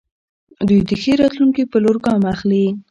دوی د ښې راتلونکې په لور ګام اخلي.